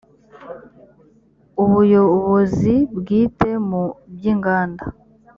ubuyobozi bwite mu by’inganda